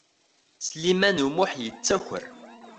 Sliman U Muḥ yettaker.